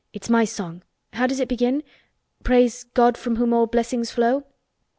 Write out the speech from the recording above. It's my song. How does it begin? 'Praise God from whom all blessings flow'?"